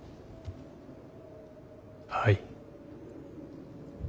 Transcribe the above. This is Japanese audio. はい。